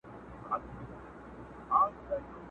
سو بېهوښه هغه دم يې زکندن سو!!